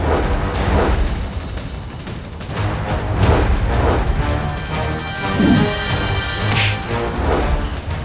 semenjak pada kau